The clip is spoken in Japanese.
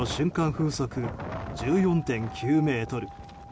風速１４．９メートル。